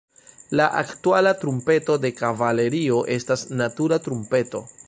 La aktuala trumpeto de kavalerio estas natura trumpeto.